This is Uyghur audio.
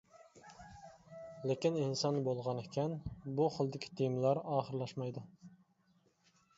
لېكىن ئىنسان بولغان ئىكەن، بۇ خىلدىكى تېمىلار ئاخىرلاشمايدۇ.